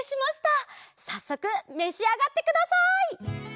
さっそくめしあがってください。